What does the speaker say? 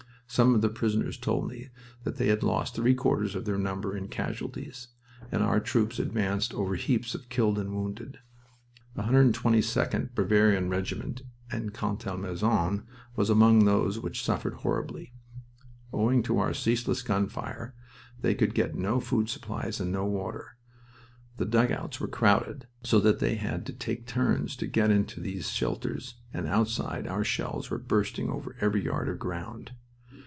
Some of the prisoners told me that they had lost three quarters of their number in casualties, and our troops advanced over heaps of killed and wounded. The 122d Bavarian Regiment in Contalmaison was among those which suffered horribly. Owing to our ceaseless gun fire, they could get no food supplies and no water. The dugouts were crowded, so that they had to take turns to get into these shelters, and outside our shells were bursting over every yard of ground.